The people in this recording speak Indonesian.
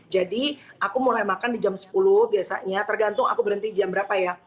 jadi aku mulai makan di jam sepuluh biasanya tergantung aku berhenti jam berapa ya